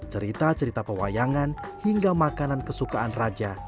cerita cerita pewayangan hingga makanan kesukaan raja